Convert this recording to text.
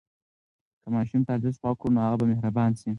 که ماشوم ته ارزښت ورکړو، نو هغه به مهربان شي.